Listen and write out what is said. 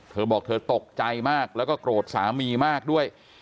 เธอบอกเธอตกใจมากแล้วก็โกรธสามีมากด้วย